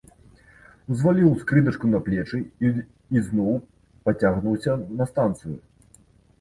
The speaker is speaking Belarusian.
Узваліў скрыначку на плечы і ізноў пацягнуўся на станцыю.